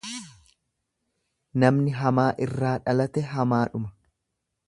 Namni hamaa irraa dhalate hamaadhuma.